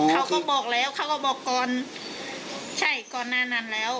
เขาก็บอกแล้วเขาก็บอกก่อนใช่ก่อนหน้านั้นแล้ว